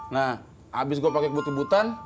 nah abis gue pakai kebut kebutbutan